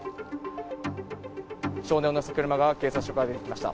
少年を乗せた車が警察署から出てきました。